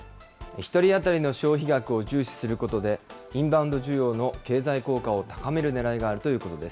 １人当たりの消費額を重視することで、インバウンド需要の経済効果を高めるねらいがあるということです。